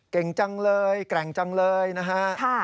เก่งจังเลยแกร่งจังเลยนะฮะ